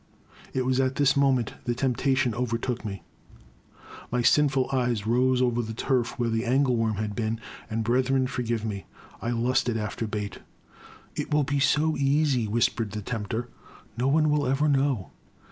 It was at this moment that temptation overtook me; my sinful eyes roved over the turf where the angle worm had been, and, brethren, forgive me !— I lusted after bait !!It will be so easy,*' whispered the tempter, " no one will ever know